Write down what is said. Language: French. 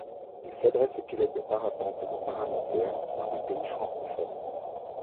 Il s'adresse aux pilotes de parapente et de paramoteur dans les pays francophones.